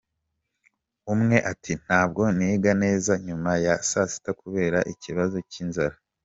Umwe ati “Ntabwo niga neza nyuma ya saa sita kubera ikibazo cy’inzara.